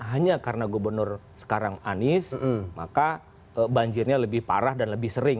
hanya karena gubernur sekarang anies maka banjirnya lebih parah dan lebih sering